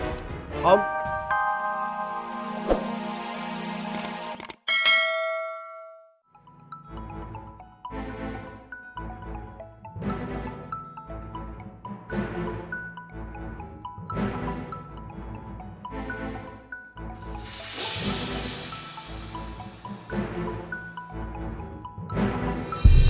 tidak ada yang bisa dipercaya